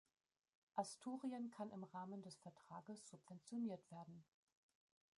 Asturien kann im Rahmen des Vertrages subventioniert werden.